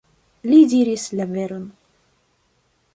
Li diris la veron!..